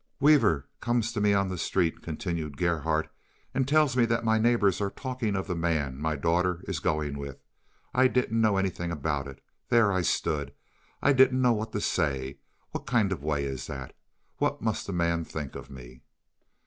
"Weaver comes to me on the street," continued Gerhardt, "and tells me that my neighbors are talking of the man my daughter is going with. I didn't know anything about it. There I stood. I didn't know what to say. What kind of a way is that? What must the man think of me?"